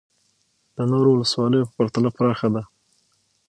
د نورو ولسوالیو په پرتله پراخه ده